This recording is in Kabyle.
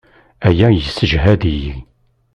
Aya yessejhad-iyi.